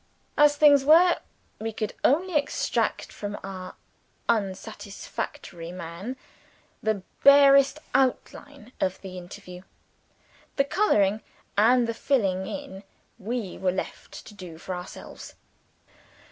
As things were, we could only extract from our unsatisfactory man the barest outline of the interview. The coloring and the filling in we were left to do for ourselves.